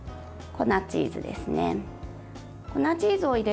粉チーズですね。